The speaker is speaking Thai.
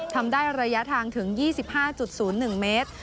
ทำได้ระยะทางถึง๒๕๐๑เมตร